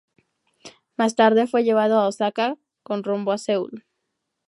Más tarde fue llevado a Osaka, con rumbo a Seúl.